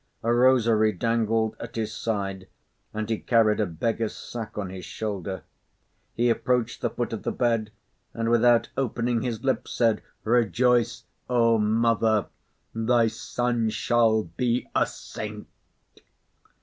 A rosary dangled at his side and he carried a beggar's sack on his shoulder. He approached the foot of the bed, and without opening his lips said: "Rejoice, O mother! Thy son shall be a saint."